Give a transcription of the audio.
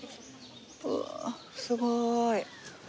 うわあすごーい！